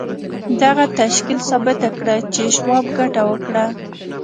دغه تشکیل ثابته کړه چې شواب ګټه وکړه